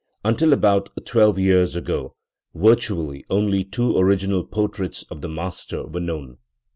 Until about twelve years ago, virtually only two original portraits of the master were known.